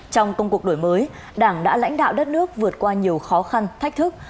trong công cuộc đổi mới đảng đã lãnh đạo đất nước vượt qua nhiều khó khăn thách thức